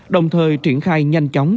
đồng thời triển khai nhanh chóng